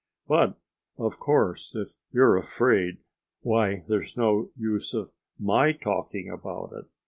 ... But of course, if you're afraid why there's no use of MY talking about it.